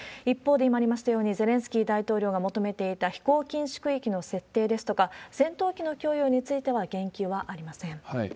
一方で、今ありましたように、ゼレンスキー大統領が求めていた飛行禁止区域の設定ですとか、戦闘機の供与については言及はありません。